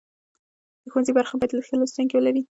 د ښوونځي برخه باید ښه لوستونکي ولري.